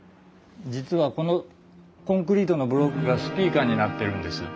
実はこのコンクリートのブロックがスピーカーになってるんです。